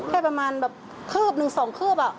แค่ประมาณแบบคืบหนึ่งสองคืบ